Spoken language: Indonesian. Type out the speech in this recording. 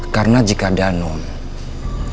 karena jika danung tetap hidup di tengah rimba